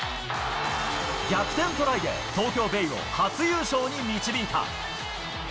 逆転トライで、東京ベイを初優勝に導いた。